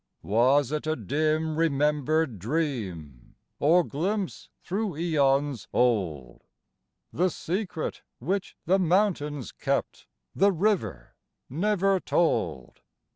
Was it a dim remembered dream? Or glimpse through aeons old? The secret which the mountains kept The river never told.